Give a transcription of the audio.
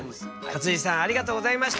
勝地さんありがとうございました。